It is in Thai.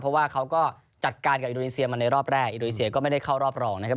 เพราะว่าเขาก็จัดการกับอินโดนีเซียมาในรอบแรกอินโดนีเซียก็ไม่ได้เข้ารอบรองนะครับ